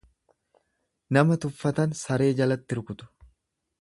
Nama tuffatan saree jalatti rukutu.